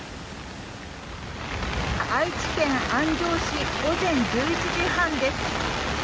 愛知県安城市午前１１時半です。